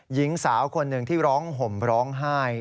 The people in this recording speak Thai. หญิงสาวคนหนึ่งที่ร้องห่มร้องไห้